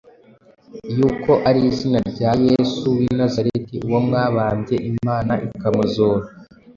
yuko ari izina rya Yesu w’i Nazareti, uwo mwabambye, Imana ikamuzura,